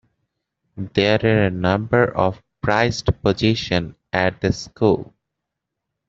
There are a number of prized possessions at the school.